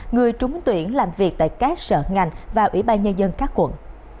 người trúng tuyển làm việc tại các sở ngành và ủy ban nhân dân các quận